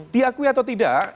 diakui atau tidak